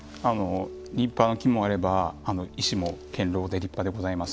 立派な木もあれば石も堅ろうで立派でございます。